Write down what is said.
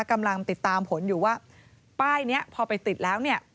กำลังติดตามผลอยู่ว่าป้ายนี้พอไปติดแล้วเนี่ย